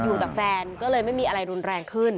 อยู่กับแฟนก็เลยไม่มีอะไรรุนแรงขึ้น